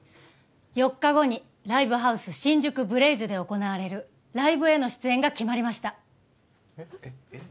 ４日後にライブハウス新宿ブレイズで行われるライブへの出演が決まりましたえっ？